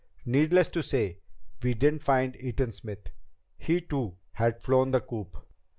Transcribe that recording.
Needless to say, we didn't find Eaton Smith. He, too, had flown the coop."